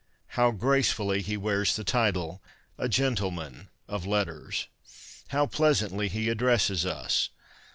How gracefully he wears the title — a Gentleman of Letters ! How pleasantly he addresses us